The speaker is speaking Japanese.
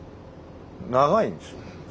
長いんですよ。